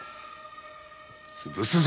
潰すぞ！